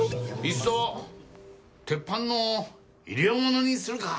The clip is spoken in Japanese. いっそ鉄板の医療ものにするか。